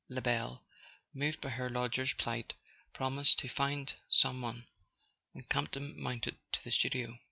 Lebel, moved by her lodger's plight, promised to "find some one "; and Campton mounted to the studio.